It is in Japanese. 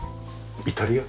イタリア？